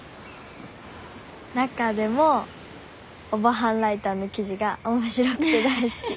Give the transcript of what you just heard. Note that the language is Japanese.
中でもオバハンライターの記事が面白くて大好き。